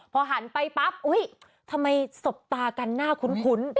พอหันไปปั๊บอุ๊ยทำไมสบตากันหน้าคุ้น